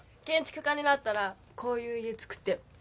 建築家になったらこういう家造ってよ。